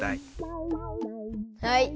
はい。